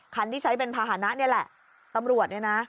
ที่ใช้เป็นภาษณะนี่แหละตำรวจเนี่ยนะ